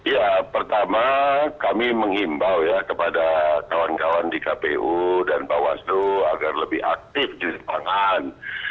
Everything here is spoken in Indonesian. ya pertama kami mengimbau ya kepada kawan kawan di kpu dan bawaslu agar lebih aktif di lapangan